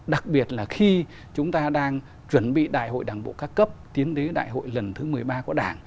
đặc biệt là khi chúng ta đang chuẩn bị đại hội đảng bộ các cấp tiến đến đại hội lần thứ một mươi ba của đảng